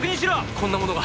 こんなものが。